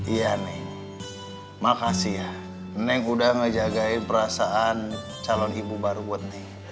iya nih makasih ya neng udah ngejagain perasaan calon ibu baru buat nih